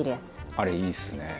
あれいいですね。